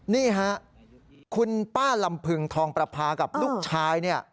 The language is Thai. นี่ฮะคุณป้าลำพึงทองประพากับลูกชายเนี่ย